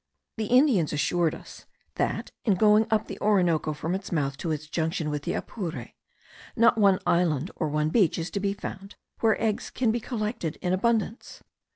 The Indians assured us that, in going up the Orinoco from its mouth to its junction with the Apure, not one island or one beach is to be found, where eggs can be collected in abundance.